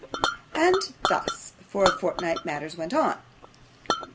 And thus for a fortnight matters went on.